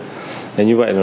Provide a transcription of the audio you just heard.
thế như vậy nó đã